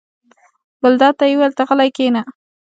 ګلداد ته یې وویل: ته غلی کېنه.